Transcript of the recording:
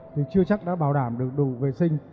thì chưa chắc đã bảo đảm được đủ vệ sinh